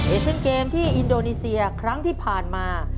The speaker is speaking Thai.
เอเชนเกมที่อินโดนีเซียครั้งที่ผ่านมา